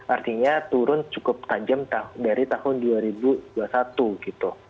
artinya turun cukup tajam dari tahun dua ribu dua puluh satu gitu